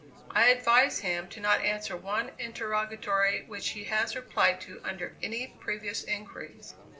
I advise him to not answer one interrogatory which he has replied to under any previous inquiries."